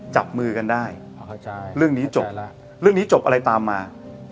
จับมือกันได้เรื่องนี้จบแล้วเรื่องนี้จบอะไรตามมา